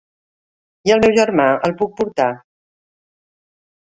I el meu germà, el puc portar?